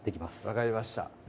分かりました